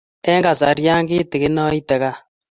Eng' kasaria kitikin aite kaa.